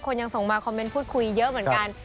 ยังส่งมาคอมเมนต์พูดคุยเยอะเหมือนกัน